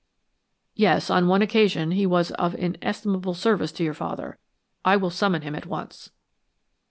"Yes, on one occasion he was of inestimable service to your father. I will summon him at once."